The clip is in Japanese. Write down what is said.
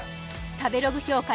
食べログ評価